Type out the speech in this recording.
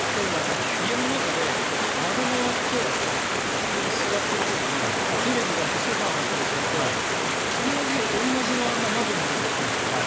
家の中で窓側に座ってる時にテレビがあってソファがあったりすると必ず同じ側が窓のほうに向くでしょ。